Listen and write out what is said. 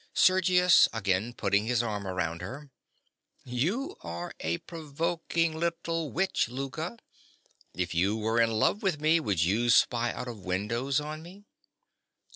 SERGIUS. (again putting his arm round her). You are a provoking little witch, Louka. If you were in love with me, would you spy out of windows on me?